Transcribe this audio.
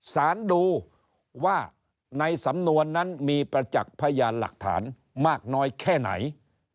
สารดูว่าในสำนวนนั้นมีประจักษ์พยานหลักฐานมากน้อยแค่ไหน